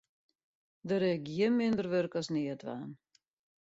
Der is gjin minder wurk as neatdwaan.